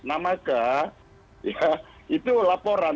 nah maka ya itu laporan